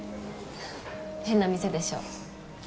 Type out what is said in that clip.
変な店でしょ？